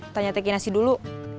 tanya teki nasi dulu